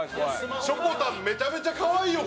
しょこたんめちゃめちゃかわいいよ